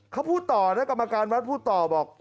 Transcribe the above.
เขาพูดต่อนะกรรมการวัดพูดต่อบอก